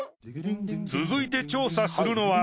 続いて調査するのは。